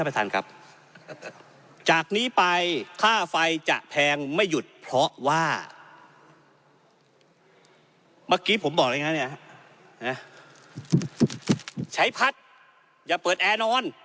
เมื่อกี้ผมบอกอะไรงั้นเนี่ยใช้พัดอย่าเปิดแอร์นอน